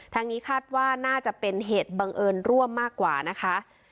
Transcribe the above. ทางนี้คาดว่าน่าจะเป็นเหตุบังเอิญร่วมมากกว่านะคะ